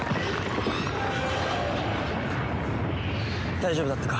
大丈夫だったか？